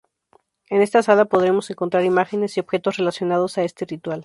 En esta sala podremos encontrar imágenes y objetos relacionados a este ritual.